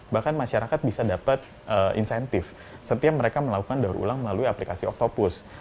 bahkan masyarakat bisa dapat insentif setiap mereka melakukan daur ulang melalui aplikasi oktopus